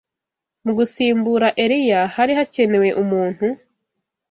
Mu gusimbura Eliya, hari hakenewe umuntu